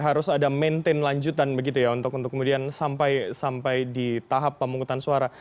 harus ada maintain lanjutan begitu ya untuk kemudian sampai di tahap pemungutan suara